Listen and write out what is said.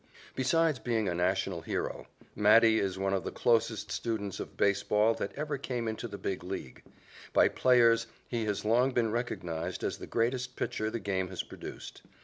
Besides being a national hero, Matty is one of the closest students of baseball that ever came into the Big League. By players, he has long been recognized as the greatest pitcher the game has produced.